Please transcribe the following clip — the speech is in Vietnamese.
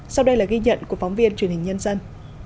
sau đây là ghi nhận của phóng viên truyền hình nhân dân